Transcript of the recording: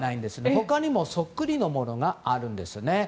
他にもそっくりのものがあるんです。